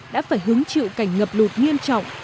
đã phải hứng chịu cảnh ngập lụt nghiêm trọng